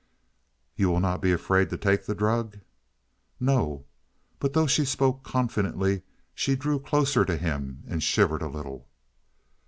"You will not be afraid to take the drug?" "No." But though she spoke confidently, she drew closer to him and shivered a little.